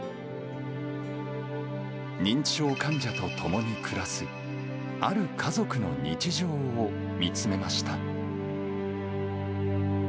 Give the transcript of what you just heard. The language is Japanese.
認知症患者と共に暮らす、ある家族の日常を見つめました。